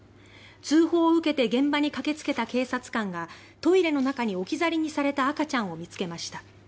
通報を受けて現場に駆けつけた警察官がトイレの中に置き去りにされた赤ちゃんを見つけました。